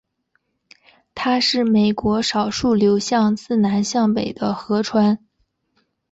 它是美国少数流向自南向北的河川。